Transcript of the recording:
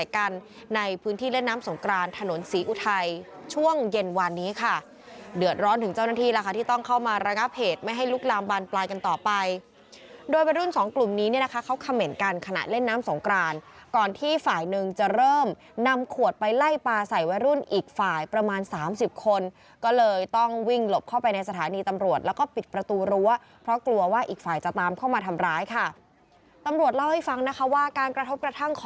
กันในพื้นที่เล่นน้ำสงกรานถนนศรีอุทัยช่วงเย็นวันนี้ค่ะเดือดร้อนถึงเจ้าหน้าที่แล้วค่ะที่ต้องเข้ามาระงับเหตุไม่ให้ลูกลามบานปลายกันต่อไปโดยวัยรุ่นสองกลุ่มนี้นะคะเขาเขม่นกันขณะเล่นน้ำสงกรานก่อนที่ฝ่ายหนึ่งจะเริ่มนำขวดไปไล่ปลาใส่วัยรุ่นอีกฝ่ายประมาณสามสิบคนก็เลยต้องวิ่งหลบ